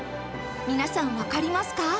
皆さんわかりますか？